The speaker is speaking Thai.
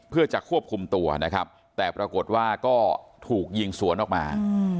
เพื่อจะควบคุมตัวนะครับแต่ปรากฏว่าก็ถูกยิงสวนออกมา